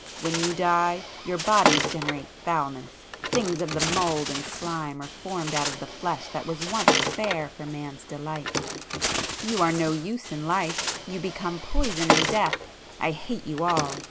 When you die, your bodies generate foulness,—things of the mould and slime are formed out of the flesh that was once fair for man's delight,—you are no use in life—you become poison in death,—I hate you all!